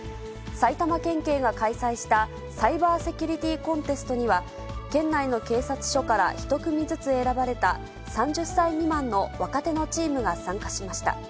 埼玉県警が開催したサイバーセキュリティコンテストには、県内の警察署から１組ずつ選ばれた、３０歳未満の若手のチームが参加しました。